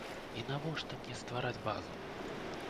І навошта мне ствараць базу?